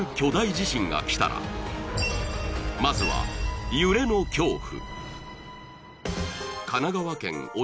まずは揺れの恐怖